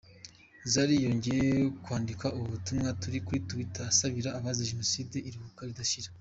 Zari yongeye kwandika ubu butumwa kuri Twitter asabira abazize Jenoside iruhuka ridashira.